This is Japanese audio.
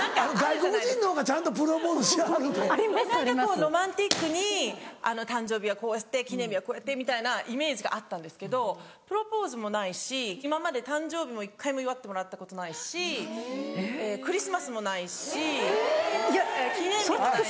ロマンティックに誕生日はこうして記念日はこうやってみたいなイメージがあったんですけどプロポーズもないし今まで誕生日を１回も祝ってもらったことないしクリスマスもないし記念日もないし。